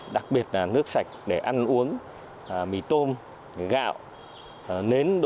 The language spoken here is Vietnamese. đặc biệt là nước sạch để ăn uống mì tôm gạo nến